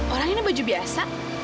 orang ini baju biasa